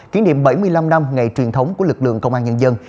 kỷ niệm bảy mươi năm năm ngày truyền thống của lực lượng công an nhân dân